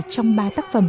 trong ba tác phẩm